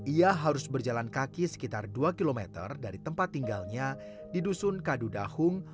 ia harus berjalan kaki sekitar dua km dari tempat tinggalnya di dusun kadudahung